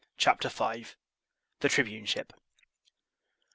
CHAPTER V. The Tribuneship.